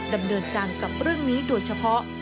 ดำเนินการกับเรื่องนี้โดยเฉพาะ